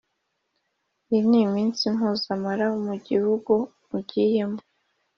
Iyi ni iminsi muzamara mu gihugu mugiyemo